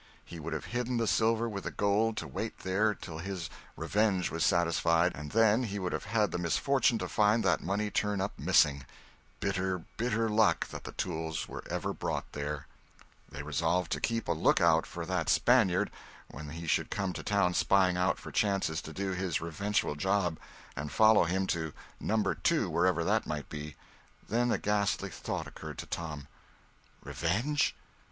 He would have hidden the silver with the gold to wait there till his "revenge" was satisfied, and then he would have had the misfortune to find that money turn up missing. Bitter, bitter luck that the tools were ever brought there! They resolved to keep a lookout for that Spaniard when he should come to town spying out for chances to do his revengeful job, and follow him to "Number Two," wherever that might be. Then a ghastly thought occurred to Tom. "Revenge?